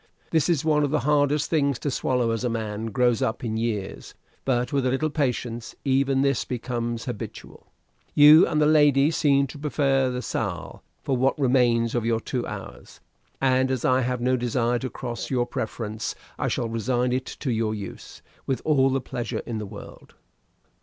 This is one of the hardest things to swallow as a man grows up in years; but with a little patience, even this becomes habitual. You and the lady seem to prefer the salle for what remains of your two hours; and as I have no desire to cross your preference, I shall resign it to your use with all the pleasure in the world.